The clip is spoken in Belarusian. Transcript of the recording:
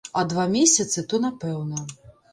А два месяцы, то напэўна.